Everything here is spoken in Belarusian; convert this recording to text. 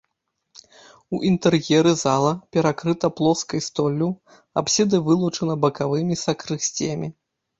У інтэр'еры зала перакрыта плоскай столлю, апсіда вылучана бакавымі сакрысціямі.